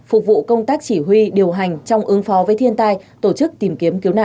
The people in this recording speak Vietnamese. phục vụ công tác chỉ huy điều hành trong ứng phó với thiên tai tổ chức tìm kiếm cứu nạn